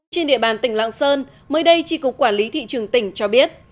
trên địa bàn tỉnh lạng sơn mới đây tri cục quản lý thị trường tỉnh cho biết